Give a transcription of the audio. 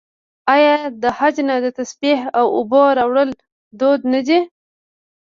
آیا د حج نه د تسبیح او اوبو راوړل دود نه دی؟